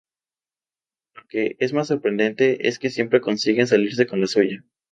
Lo que es más sorprendente es que siempre consiguen salirse con la suya.